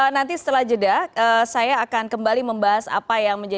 nanti setelah jeda saya akan kembali membahas apa yang menjadi